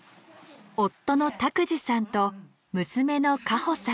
夫の拓司さんと娘の果穂さん。